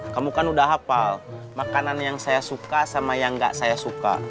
kamu kan udah hafal makanan yang saya suka sama yang gak saya suka